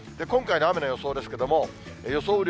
今回の雨の予想ですけれども、予想